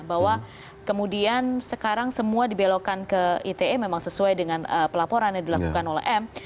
bahwa kemudian sekarang semua dibelokkan ke ite memang sesuai dengan pelaporan yang dilakukan oleh m